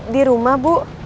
di rumah bu